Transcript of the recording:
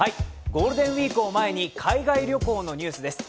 ゴールデンウイークを前に海外旅行のニュースです。